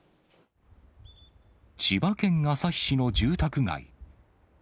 千葉県旭市の住宅街。